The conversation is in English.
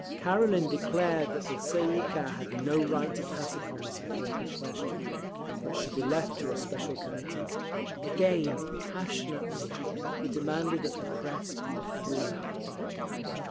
Karelin declared that the Tsay ee kah had no right to pass upon this important question, which should be left to a special committee. Again, passionately, he demanded that the Press be free.